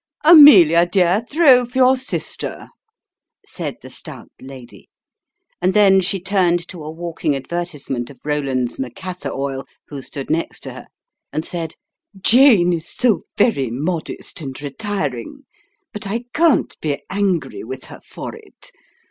" Amelia, my dear, throw for your sister," said the stout lady ; and then she turned to a walking advertisement of Rowlands' Macassar Oil, who stood next her, and said, " Jane is so very modest and retiring ; but I can't be angry with her for it.